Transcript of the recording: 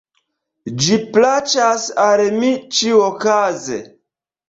Ĝi plaĉas al mi ĉiuokaze!